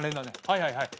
はいはい。